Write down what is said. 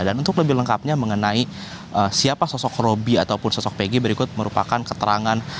dan untuk lebih lengkapnya mengenai siapa sosok robby ataupun sosok peggy berikut merupakan keterangan